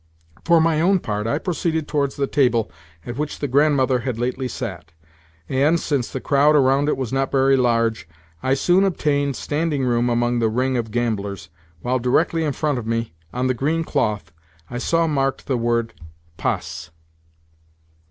For my own part I proceeded towards the table at which the Grandmother had lately sat; and, since the crowd around it was not very large, I soon obtained standing room among the ring of gamblers, while directly in front of me, on the green cloth, I saw marked the word "Passe."